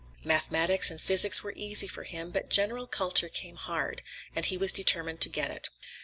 Mathematics and physics were easy for him, but general culture came hard, and he was determined to get it.